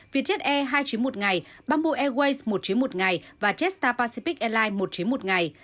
vietjet air hai chiếm một ngày bamboo airways một chiếm một ngày và jetstar pacific airlines một chiếm một ngày